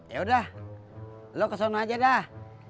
ya udah lo kesana aja dah